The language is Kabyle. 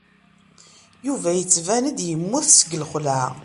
Yuba yettban-d yemmut seg lxelɛa.